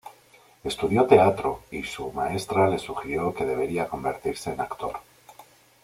Estudió teatro y su maestra le sugirió que debería convertirse en actor.